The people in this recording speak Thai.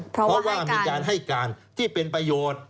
เพราะว่ามีการให้การที่เป็นประโยชน์